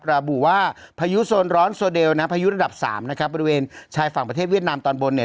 ระบุว่าพายุโซนร้อนโซเดลนะพายุระดับสามนะครับบริเวณชายฝั่งประเทศเวียดนามตอนบนเนี่ย